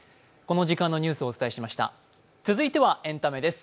続いてはエンタメです。